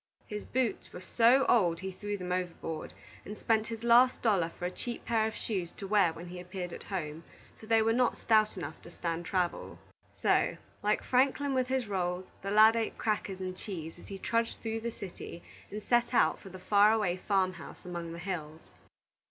His boots were so old he threw them overboard, and spent his last dollar for a cheap pair of shoes to wear when he appeared at home, for they were not stout enough to stand travel. So, like Franklin with his rolls, the lad ate crackers and cheese as he trudged through the city, and set out for the far away farm house among the hills.